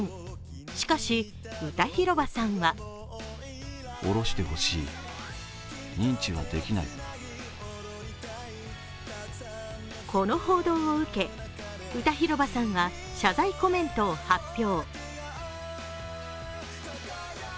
しかし、歌広場さんはこの報道を受け、歌広場さんが謝罪コメントを発表。